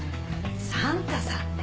サンタさんね。